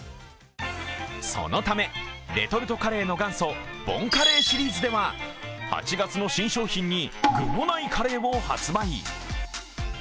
そのため、レトルトカレーの元祖ボンカレーシリーズでは８月の新商品に具のないカレーを発売。